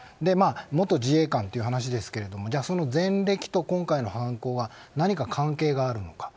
元自衛官という話ですが前歴と今回の犯行は何か関係があるのか。